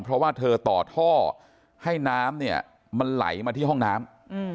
เพราะว่าเธอต่อท่อให้น้ำเนี่ยมันไหลมาที่ห้องน้ำ